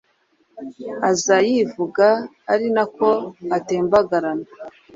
aza yivuga ari na ko atembagarana